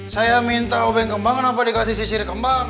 saya minta obeng kembang kenapa dikasih sisir kembang